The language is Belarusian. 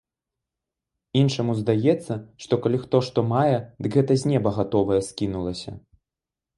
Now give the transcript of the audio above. Іншаму здаецца, што калі хто што мае, дык гэта з неба гатовае скінулася.